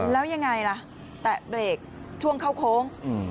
แล้วยังไงล่ะแตะเบรกช่วงเข้าโค้ง